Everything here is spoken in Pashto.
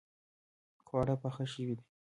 خواړه پاخه شوې دي